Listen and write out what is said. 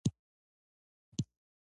پکورې له خندا سره خوند کوي